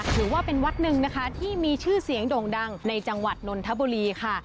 ถือว่าเป็นวัดหนึ่งนะคะที่มีชื่อเสียงโด่งดังในจังหวัดนนทบุรีค่ะ